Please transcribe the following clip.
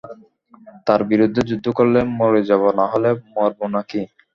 তার বিরুদ্ধে যুদ্ধ করলে মরে যাব নাহলে মরবো না কি?